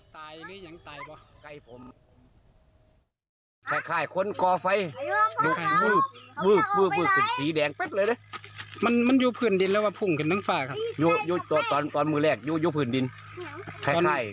ตอนเมืองแรกอยู่พื้นดินปล่อย